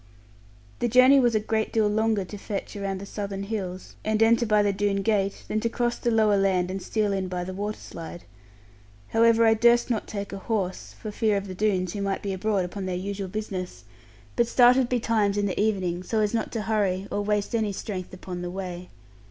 The journey was a great deal longer to fetch around the Southern hills, and enter by the Doone gate, than to cross the lower land and steal in by the water slide. However, I durst not take a horse (for fear of the Doones who might be abroad upon their usual business), but started betimes in the evening, so as not to hurry, or waste any strength upon the way.